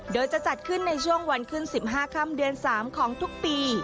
โดยจะจัดขึ้นในช่วงวันขึ้น๑๕ค่ำเดือน๓ของทุกปี